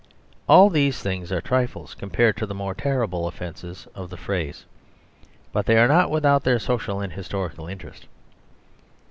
All these things are trifles compared to the more terrible offences of the phrase; but they are not without their social and historical interest.